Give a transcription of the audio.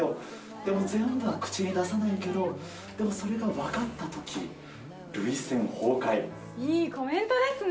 でも全部は口に出さないけど、でもそれが分かったとき、涙腺崩いいコメントですね。